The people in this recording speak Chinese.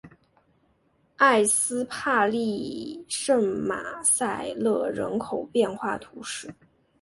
埃斯帕利圣马塞勒人口变化图示